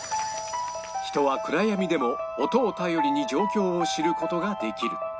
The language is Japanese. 人は暗闇でも音を頼りに状況を知る事ができる